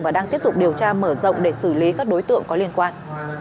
và đang tiếp tục điều tra mở rộng để xử lý các đối tượng có liên quan